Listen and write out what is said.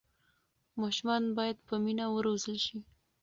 ماشومان باید په مینه وروزل شي.